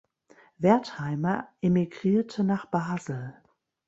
Wertheimer emigrierte nach Basel.